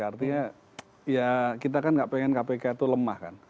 artinya ya kita kan nggak pengen kpk itu lemah kan